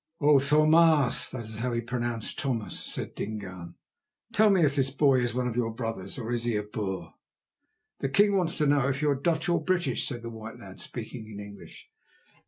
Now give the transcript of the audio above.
"O Tho maas" (that is how he pronounced "Thomas"), said Dingaan, "tell me if this boy is one of your brothers, or is he a Boer?" "The king wants to know if you are Dutch or British," said the white lad, speaking in English.